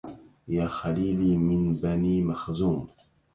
يا خليلي من بني مخزوم